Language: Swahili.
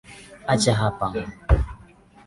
Acha hapa.